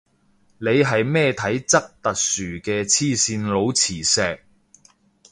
你係咩體質特殊嘅黐線佬磁石